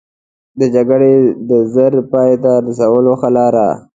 د جګړې د ژر پای ته رسولو ښه لاره.